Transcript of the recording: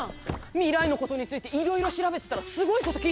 未来のことについていろいろ調べてたらすごいこと聞いちゃって。